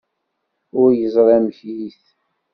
Ur yeẓri amek-it?